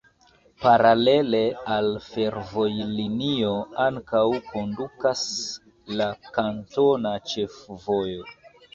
Paralele al la fervojlinio ankaŭ kondukas la kantona ĉefvojo.